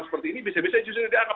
seperti ini bisa bisa justru dianggap